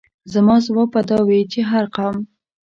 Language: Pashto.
زما ځواب به دا وي چې هر قوم.